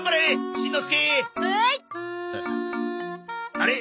あれ？